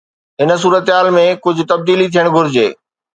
هن صورتحال ۾ ڪجهه تبديلي ٿيڻ گهرجي.